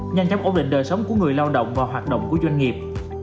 nhanh chóng ổn định đời sống của người lao động và hoạt động của doanh nghiệp